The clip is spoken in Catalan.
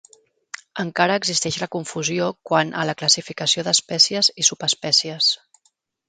Encara existeix la confusió quant a la classificació d'espècies i subespècies.